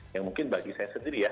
yang mungkin bagi saya sendiri ya